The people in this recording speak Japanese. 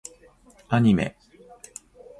アニメ